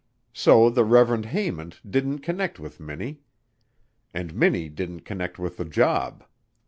So the Rev. Haymond didn't connect with Minnie and Minnie didn't connect with the job.